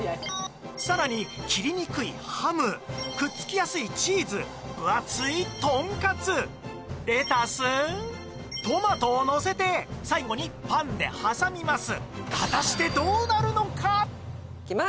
さらに切りにくいハムくっつきやすいチーズ分厚いとんかつレタストマトをのせて最後にパンで挟みます